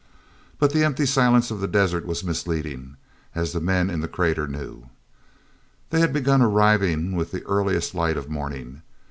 But the empty silence of the desert was misleading, as the men in the crater knew. hey had begun arriving with the earliest light of morning.